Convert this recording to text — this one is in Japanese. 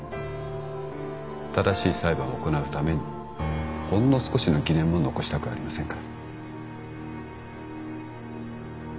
正しい裁判を行うためにほんの少しの疑念も残したくありませんから。